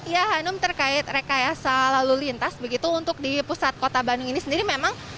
ya hanum terkait rekayasa lalu lintas begitu untuk di pusat kota bandung ini sendiri memang